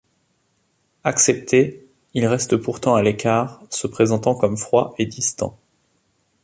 Accepté, il reste pourtant à l’écart, se présentant comme froid et distant.